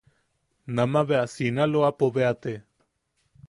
Nama bea Sinaloapo bea te.